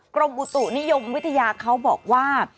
กรมอุตุนิยมวิทยาเขาบอกว่า